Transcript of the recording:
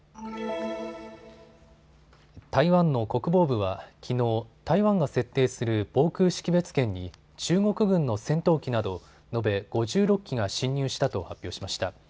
台湾の国防部はきのう台湾が設定する防空識別圏に中国軍の戦闘機など延べ５６機が進入したと発表しました。